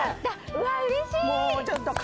うわっうれしい！